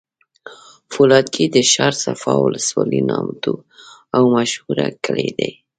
فولادګی د ښارصفا ولسوالی نامتو او مشهوره کلي دی